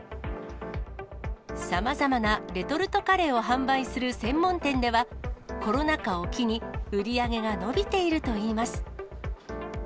さまざまなレトルトカレーを販売する専門店では、コロナ禍を機に、売り上げが伸びているといいます。